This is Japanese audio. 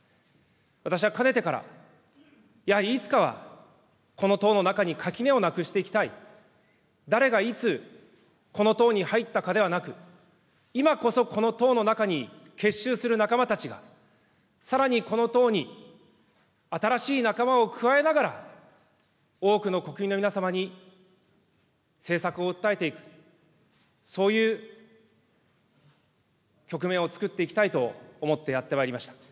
私はかねてから、やはりいつかはこの党の中に垣根をなくしていきたい、誰がいつ、この党に入ったかではなく、今こそこの党の中に結集する仲間たちが、さらにこの党に新しい仲間を加えながら、多くの国民の皆様に政策を訴えていく、そういう局面を作っていきたいと思ってやってまいりました。